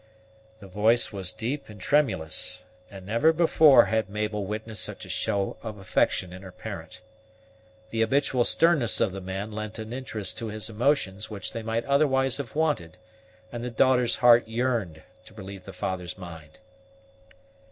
The voice was deep and tremulous, and never before had Mabel witnessed such a show of affection in her parent. The habitual sternness of the man lent an interest to his emotions which they might otherwise have wanted, and the daughter's heart yearned to relieve the father's mind.